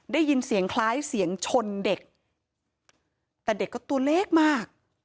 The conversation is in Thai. ได้ยินเสียงคล้ายเสียงชนเด็ก